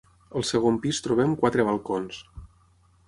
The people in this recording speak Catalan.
Al segon pis trobem quatre balcons.